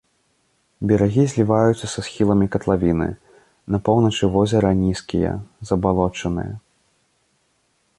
Берагі зліваюцца са схіламі катлавіны, на поўначы возера нізкія, забалочаныя.